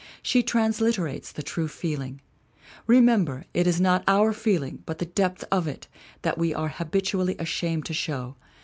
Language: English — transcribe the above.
She transliterates the true feeling. Remember, it is not our feeling but the depth of it that we are habitually ashamed to show.